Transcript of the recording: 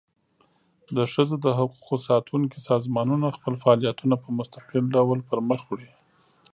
د ښځو د حقوقو ساتونکي سازمانونه خپل فعالیتونه په مستقل ډول پر مخ وړي.